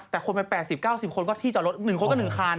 แต่คนไป๘๐๙๐คนก็ที่จอดรถหนึ่งคนก็หนึ่งคัน